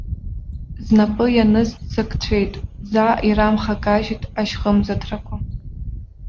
Знапы ианыз ццакцәеит, заа ирамхакажьит ашьхымзаҭрақәа.